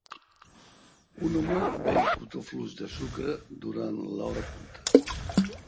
Un home ven cotó fluix de sucre durant l'hora punta.